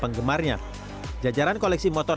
penggemarnya jajaran koleksi motor